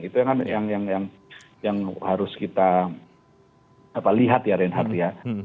itu kan yang harus kita lihat ya reinhard ya